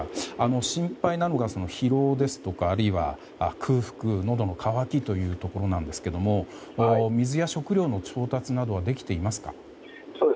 心配なのが、疲労ですとかあるいは空腹、のどの渇きといったところなんですが水や食料などの調達はできていますか？